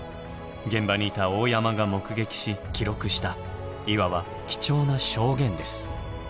現場にいた大山が目撃し記録したいわば貴重な「証言」です。